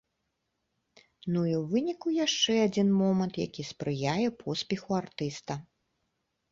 Ну і ў выніку яшчэ адзін момант, які спрыяе поспеху артыста.